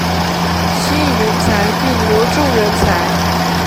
吸引人才並留住人才